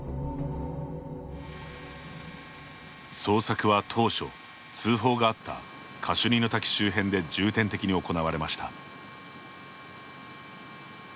捜索は、当初、通報があったカシュニの滝周辺で重点的に行われました。